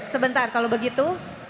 sebentar kalau begitu